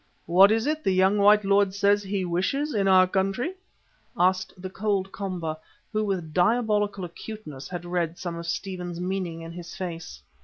"What is it the young white lord says he wishes in our country?" asked the cold Komba, who with diabolical acuteness had read some of Stephen's meaning in his face.